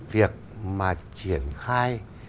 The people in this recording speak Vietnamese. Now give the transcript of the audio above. việc mà triển khai